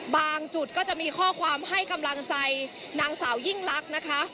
จุดก็จะมีข้อความให้กำลังใจนางสาวยิ่งลักษณ์นะคะ